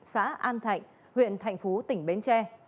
xã an thạnh huyện thành phú tỉnh bến tre